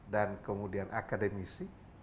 dan kemudian akademisi